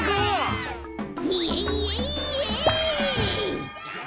イエイエイエイ！